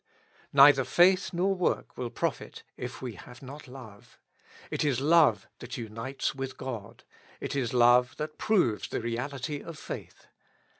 Neither faith nor work will profit if we have not love ; it is love that unites with God, it is love that proves the reality of faith.